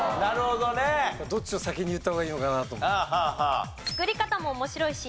どっちを先に言った方がいいのかなと思って。